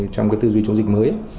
trong cái tư duy chống dịch mới